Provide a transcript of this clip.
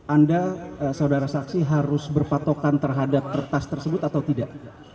anda saudara saksi harus berpatokan terhadap kertas tersebut atau tidak